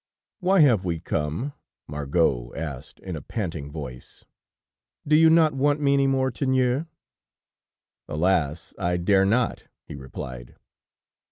"Why have we come?" Margot asked, in a panting voice. "Do you not want me any more, Tiennou?" "Alas! I dare not," he replied.